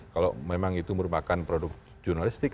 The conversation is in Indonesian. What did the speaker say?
kalau memang itu merupakan produk jurnalistik